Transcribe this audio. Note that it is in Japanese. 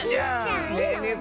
ねえねえ